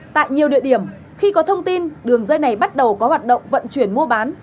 tại nhiều địa điểm khi có thông tin đường dây này bắt đầu có hoạt động vận chuyển mua bán